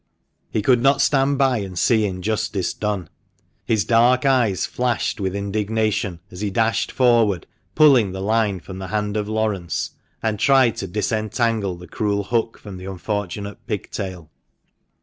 He could not stand by and see injustice done. His dark eyes flashed with indignation as he dashed forward, pulling the line from the hand of Laurence, and tried to disentangle the cruel hook from the unfortunate pigtail.